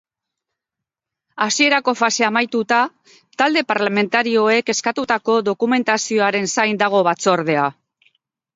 Hasierako fasea amaituta, talde parlamentarioek eskatutako dokumentazioaren zain dago batzordea.